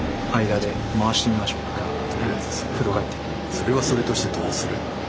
それはそれとしてどうする？